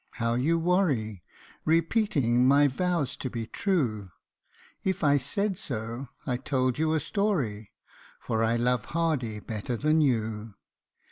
how you worry, Repeating my vows to be true If I said so, I told you a story, For I love Hardy better than you